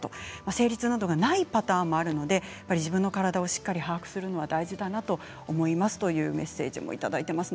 生理痛などがないパターンもあるので自分の体をしっかり把握するのは大事だなと思いますというメッセージもいただいています。